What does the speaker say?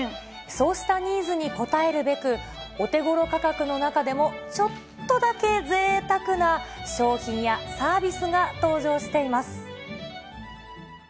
そうしたニーズに応えるべく、お手ごろ価格の中でも、ちょっとだけぜいたくな商品やサービスが登場しています。